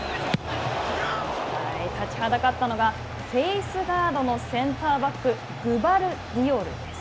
立ちはだかったのが、フェースガードのセンターバック、グバルディオルです。